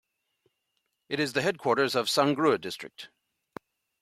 It is the headquarters of Sangrur District.